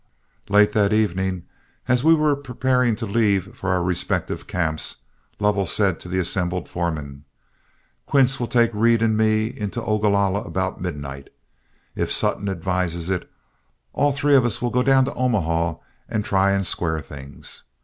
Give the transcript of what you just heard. Late that evening, as we were preparing to leave for our respective camps, Lovell said to the assembled foremen: "Quince will take Reed and me into Ogalalla about midnight. If Sutton advises it, all three of us will go down to Omaha and try and square things.